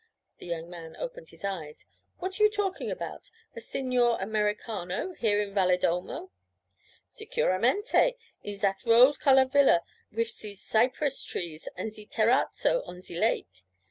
The young man opened his eyes. 'What are you talking about a Signor Americano here in Valedolmo?' 'Sicuramente, in zat rose colour villa wif ze cypress trees and ze terrazzo on ze lake.